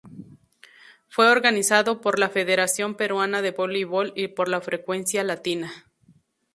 Fue organizado por la Federación Peruana de Voleibol y por Frecuencia Latina.